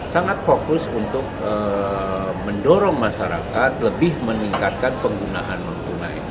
sangat fokus untuk mendorong masyarakat lebih meningkatkan penggunaan non tunai